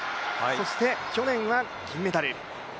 そして去年は金メダル。